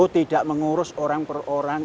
tidak mengurus orang per orang